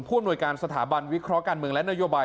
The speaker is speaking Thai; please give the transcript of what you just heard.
อำนวยการสถาบันวิเคราะห์การเมืองและนโยบาย